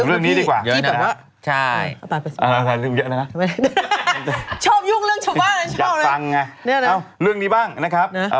เอาถึงเรื่องนี้ดีกว่า